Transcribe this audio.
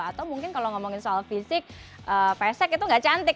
atau mungkin kalau ngomongin soal fisik pesek itu nggak cantik